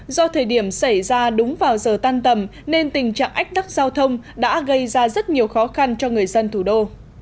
do thời điểm xảy ra đúng vào giờ tan tầm nên tình trạng ách tắc giao thông đã gây ra rất nhiều khó khăn cho người dân thủ đô